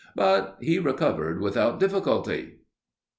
But he recovered without difficulty.